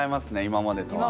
今までとは。